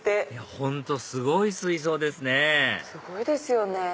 本当すごい水槽ですねすごいですよね。